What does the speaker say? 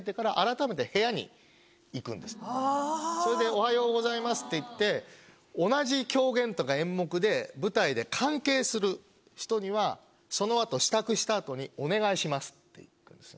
それで「おはようございます」って言って同じ狂言とか演目で舞台で関係する人にはその後支度した後に「お願いします」って行くんですね。